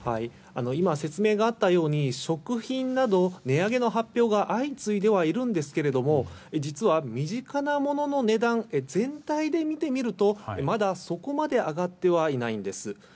今、説明があったように食品など、値上げの発表が相次いではいるんですけれども実は、身近なものの値段全体で見てみるとまだそこまでは上がってはいないんです。